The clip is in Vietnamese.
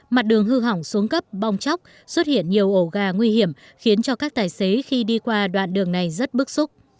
mặt đường hư hỏng xuống cấp bong chóc xuất hiện nhiều ổ gà nguy hiểm khiến cho các tài xế khi đi qua đoạn đường này rất bức xúc